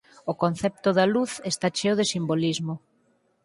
O concepto da luz está cheo de simbolismo.